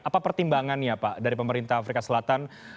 apa pertimbangannya pak dari pemerintah afrika selatan